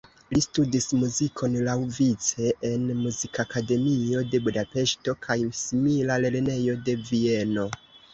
Li studis muzikon laŭvice en Muzikakademio de Budapeŝto kaj simila lernejo de Vieno.